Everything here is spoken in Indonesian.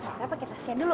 kita pake kerasian dulu